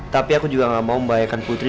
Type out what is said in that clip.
tapi aku juga gak mau membahayakan putri